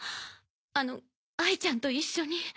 あの哀ちゃんと一緒に。